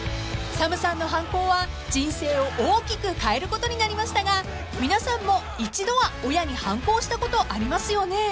［ＳＡＭさんの反抗は人生を大きく変えることになりましたが皆さんも一度は親に反抗したことありますよね］